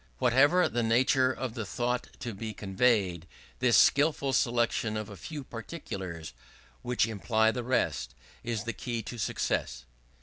Whatever the nature of the thought to be conveyed, this skilful selection of a few particulars which imply the rest, is the key to success.